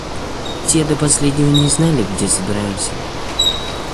Те до последнего не знали, где собираемся.